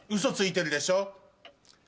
嘘ついてるでしょ！